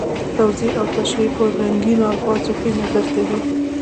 توضیح او تشریح په رنګینو الفاظو کې نغښتي وي.